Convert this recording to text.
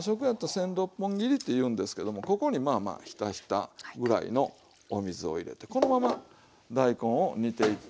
千六本切りっていうんですけどもここにまあまあひたひたぐらいのお水を入れてこのまま大根を煮ていって。